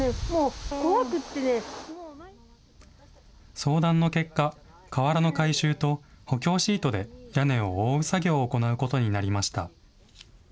相談の結果、瓦の回収と、補強シートで屋根を覆う作業を行うことになりました。